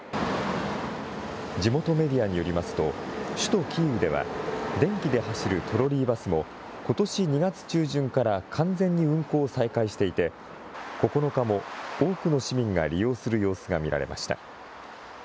地元メディアによりますと、首都キーウでは、電気で走るトロリーバスも、ことし２月中旬から完全に運行を再開していて、９日も多くの市民が利用する様子が見られました。